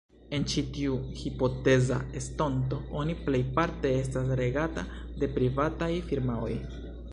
En ĉi tiu hipoteza estonto oni plejparte estas regata de privataj firmaoj.